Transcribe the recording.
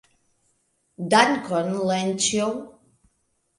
Dankon, Lenĉjo.